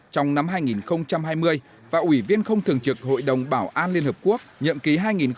trong năm hai nghìn hai mươi và ủy viên không thường trực hội đồng bảo an liên hợp quốc nhậm ký hai nghìn hai mươi hai nghìn hai mươi một